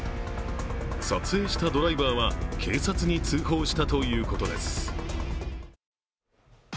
撮影したドライバーは警察に通報したということです。